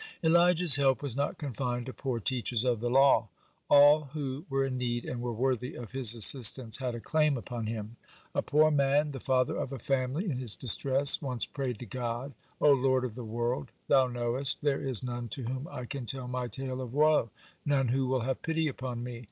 (54) Elijah's help was not confined to poor teachers of the law; all who were in need, and were worthy of his assistance, had a claim upon him. A poor man, the father of a family, in his distress once prayed to God: "O Lord of the world, Thou knowest, there is none to whom I can tell my tale of woe, none who will have pity upon me.